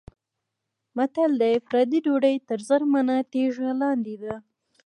متل دی: پردۍ ډوډۍ تر زرمنه تیږه لاندې ده.